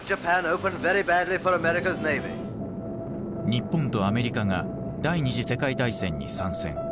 日本とアメリカが第二次世界大戦に参戦。